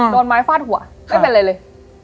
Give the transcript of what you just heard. โดนไม้ฟาดหัวไม่เป็นไรเลย